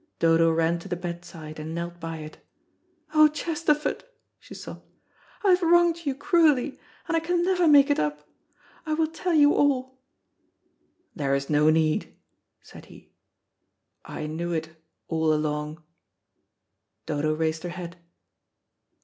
Dodo ran to the bedside and knelt by it. "Oh, Chesterford," she sobbed, "I have wronged you cruelly, and I can never make it up. I will tell you all." "There is no need," said he; "I knew it all along." Dodo raised her head.